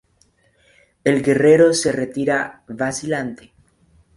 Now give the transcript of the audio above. El guerrero se retira, vacilante.